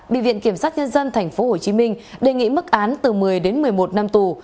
bị viện kiểm sát nhân dân tp hcm đề nghị mức án từ một mươi đến một mươi một năm tù